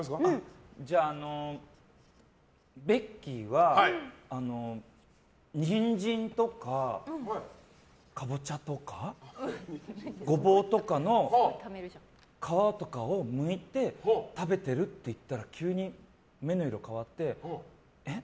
じゃあ、ベッキーはニンジンとかカボチャとかゴボウとかの皮とかをむいて食べてるって言ったら急に目の色、変わってえっ？